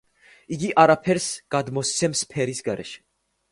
იგი არაფერს გადმოსცემს ფერის გარეშე.